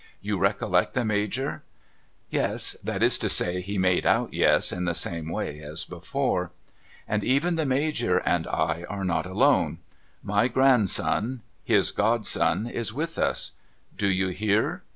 You recollect the Major ?' Yes. That is to say he made out yes, in the same way as before. 'And even the Major and I are not alone. My grandson — his godson —is with us. Do you hear